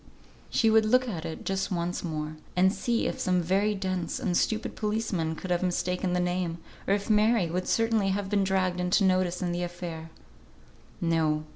She would look at it just once more, and see if some very dense and stupid policeman could have mistaken the name, or if Mary would certainly have been dragged into notice in the affair. No!